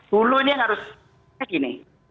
hulu ini yang harus kayak gini